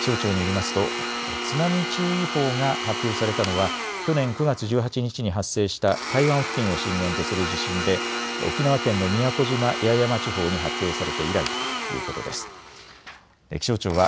気象庁によりますと津波注意報が発表されたのは去年９月１８日に発生した台湾付近を震源とする地震で沖縄県の宮古島八重山地方に発表されて以来ということです。